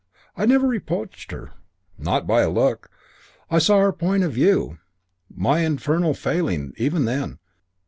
I never reproached her, not by a look. I saw her point of view. My infernal failing, even then.